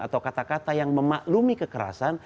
atau kata kata yang memaklumi kekerasan